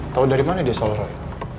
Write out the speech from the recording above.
tahu dari mana dia soal roy